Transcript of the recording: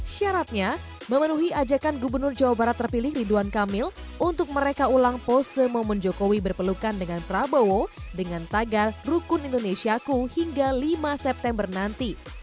syaratnya memenuhi ajakan gubernur jawa barat terpilih ridwan kamil untuk mereka ulang pose momen jokowi berpelukan dengan prabowo dengan tagar rukun indonesiaku hingga lima september nanti